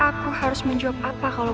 aku harus menjawab apa kalau